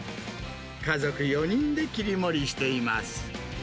家族４人で切り盛りしています。